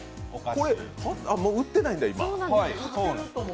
これもう売ってないんだ。